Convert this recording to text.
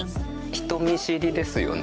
人見知りですよね？